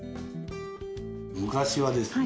昔はですね